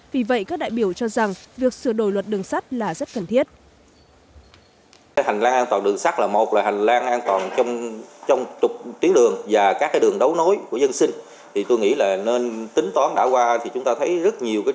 vì vậy các đại biểu cho rằng việc sửa đổi luật đường sắt là rất cần thiết